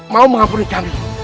mau mengampuni kami